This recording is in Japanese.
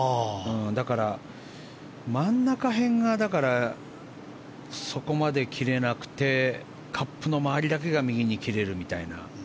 だから、真ん中辺がそこまで切れなくてカップの周りだけが右に切れるみたいな。